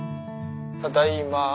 ただいま。